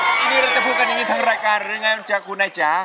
อันนี้เราจะพูดกันอย่างนี้ทางรายการหรือไงคุณอาจารย์